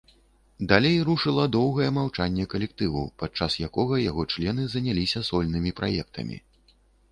Далей рушыла доўгае маўчанне калектыву, падчас якога яго члены заняліся сольнымі праектамі.